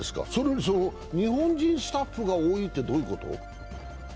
日本人スタッフが多いってどういうこと？